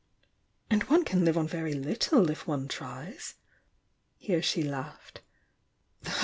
And one can live on very little, if one tries." Here she laughed.